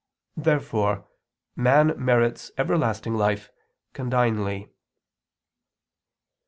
Therefore man merits everlasting life condignly.